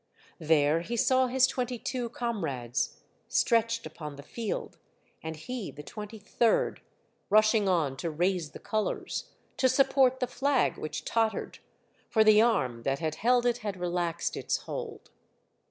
" There he saw his twenty two comrades stretched upon the field, and he the twenty third, rushing on to raise the colors, to support the flag which tottered, for the arm that had held it had relaxed its hold.